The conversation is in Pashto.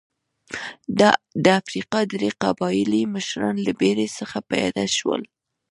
د افریقا درې قبایلي مشران له بېړۍ څخه پیاده شول.